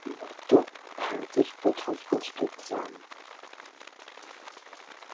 এই মদ্য ভারতের প্রথম প্রস্তুত রাম।